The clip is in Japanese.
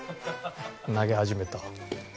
投げ始めた。